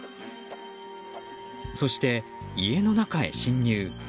そして、家の中へ侵入。